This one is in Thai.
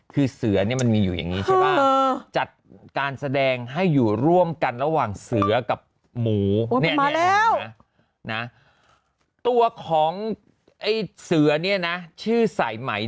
คือเสือเนี่ยมันมาอยู่อย่างนี้ใช่ป่าว